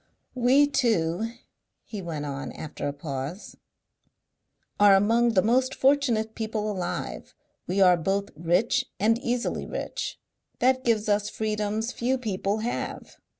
"We two," he went on, after a pause, "are among the most fortunate people alive. We are both rich and easily rich. That gives us freedoms few people have.